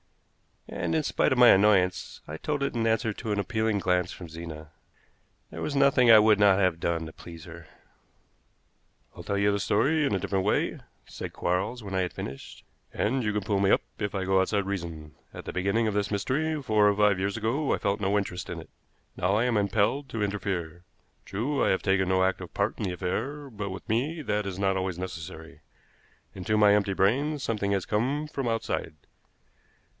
And, in spite of my annoyance, I told it in answer to an appealing glance from Zena. There was nothing I would not have done to please her. "I'll tell you the story in a different way," said Quarles, when I had finished, "and you can pull me up if I go outside reason. At the beginning of this mystery, four or five years ago, I felt no interest in it; now I am impelled to interfere. True, I have taken no active part in the affair, but with me that is not always necessary. Into my empty brain something has come from outside."